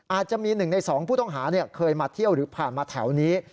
อาจจะมี๑ใน๒ผู้ต้องหาเคยมาเที่ยวหรือผ่านมาแถวนี้